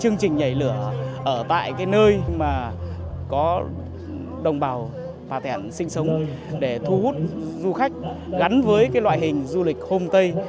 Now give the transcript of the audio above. nhảy lửa ở tại nơi mà có đồng bào pathan sinh sống để thu hút du khách gắn với loại hình du lịch hôm tây